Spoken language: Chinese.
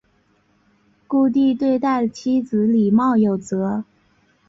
顾悌对待妻子礼貌有则。